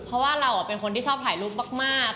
เพราะว่าเราเป็นคนที่ชอบถ่ายรูปมาก